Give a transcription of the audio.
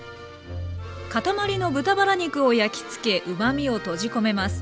塊の豚バラ肉を焼き付けうまみを閉じ込めます。